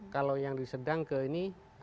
kalau yang sedang ke ini